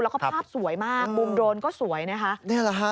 แล้วก็ภาพสวยมากมุมโดนก็สวยนะคะ